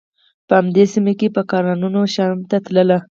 په همدې سیمه به کاروانونه شام ته تلل.